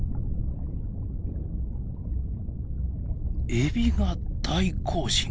エビが大行進！